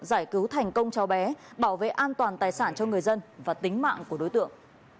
giải cứu thành công cháu bé bảo vệ an toàn tài sản cho người dân và tính mạng của đối tượng